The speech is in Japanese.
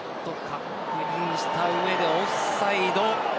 確認した上でオフサイド。